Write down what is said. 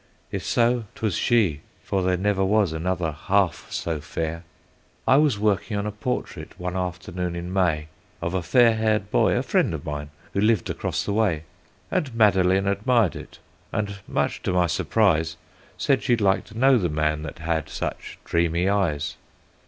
If so, 'twas she, for there never was another half so fair. "I was working on a portrait, one afternoon in May, Of a fair haired boy, a friend of mine, who lived across the way. And Madeline admired it, and much to my surprise, Said she'd like to know the man that had such dreamy eyes.